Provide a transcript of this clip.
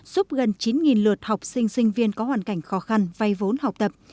giúp gần chín lượt học sinh sinh viên có hoàn cảnh khó khăn vay vốn học tập